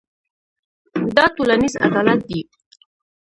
دا ټولنیز عدالت دی.